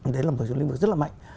đấy là một lĩnh vực rất là mạnh